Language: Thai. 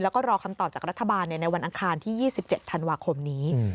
แล้วก็รอคำตอบจากรัฐบาลในวันอังคารที่๒๗ธันวาคมนี้